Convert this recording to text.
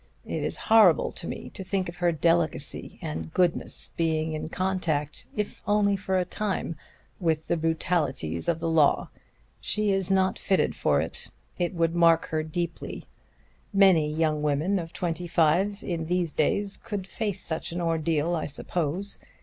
It is horrible to me to think of her delicacy and goodness being in contact, if only for a time, with the brutalities of the law. She is not fitted for it. It would mark her deeply. Many young women of twenty five in these days could face such an ordeal, I suppose.